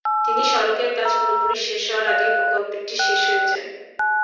কিন্তু সড়কের কাজ পুরোপুরি শেষ হওয়ার আগে প্রকল্পটি শেষ হয়ে যায়।